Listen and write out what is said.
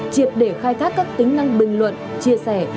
triệt để khai thác các tính năng bình luận chia sẻ